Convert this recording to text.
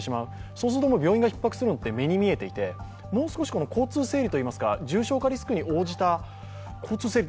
そうすると病院がひっ迫するのって目に見えていてもう少し交通整理というか重症化リスクに応じた交通整備